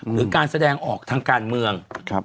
หรือการแสดงออกทางการเมือง